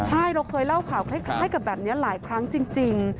ใช่เราเคยเล่าข่าวคล้ายกับแบบนี้หลายครั้งจริง